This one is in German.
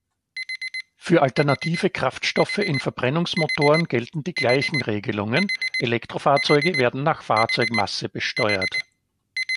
Für alternative Kraftstoffe in Verbrennungsmotoren gelten die gleichen Regelungen, Elektrofahrzeuge werden nach Fahrzeugmasse besteuert.